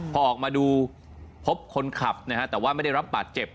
พอออกมาดูพบคนขับนะฮะแต่ว่าไม่ได้รับบาดเจ็บ